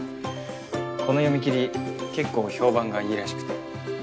この読み切り結構評判がいいらしくて。